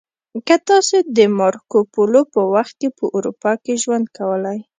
که تاسې د مارکو پولو په وخت کې په اروپا کې ژوند کولی